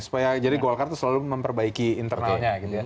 supaya jadi golkar itu selalu memperbaiki internalnya